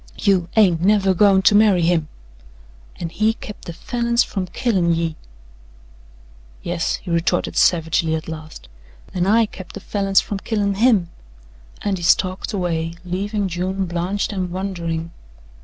"YOU HAIN'T NEVER GOIN' TO MARRY HIM." "An' he kept the Falins from killin' ye." "Yes," he retorted savagely at last, "an' I kept the Falins from killin' HIM," and he stalked away, leaving June blanched and wondering.